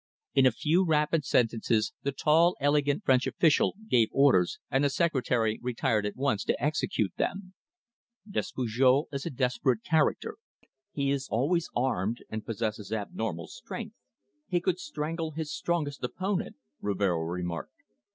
In a few rapid sentences the tall, elegant French official gave orders, and the secretary retired at once to execute them. "Despujol is a desperate character. He is always armed, and possesses abnormal strength. He could strangle his strongest opponent," Rivero remarked.